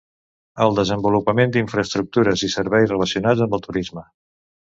El desenvolupament d'infraestructures i serveis relacionats amb el turisme.